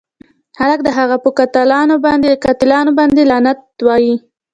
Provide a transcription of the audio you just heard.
خلکو د هغه په قاتلانو باندې لعنت وایه.